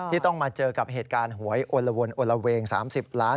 ต้องมาเจอกับเหตุการณ์หวยอลวนโอละเวง๓๐ล้าน